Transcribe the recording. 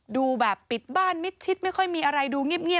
ดูแบบปิดบ้านมิดชิดไม่ค่อยมีอะไรดูเงียบ